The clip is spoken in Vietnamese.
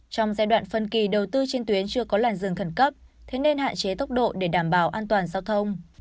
trong giai đoạn phân kỳ đầu tư trên tuyến chưa có làn rừng khẩn cấp thế nên hạn chế tốc độ để đảm bảo an toàn giao thông